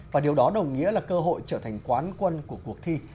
và điều đó đồng nghĩa là cơ hội trở thành quán quân của cuộc thi